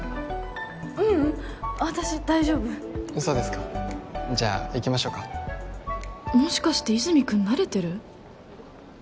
ううん私大丈夫そうですかじゃあ行きましょうかもしかして和泉君慣れてる？